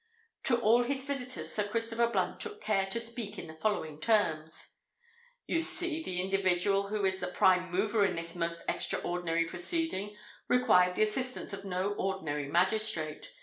To all his visitors Sir Christopher Blunt took care to speak in the following terms:—"You see, the individual who is the prime mover in this most extraordinary proceeding, required the assistance of no ordinary magistrate.